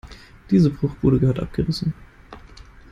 Diese Bruchbude gehört abgerissen.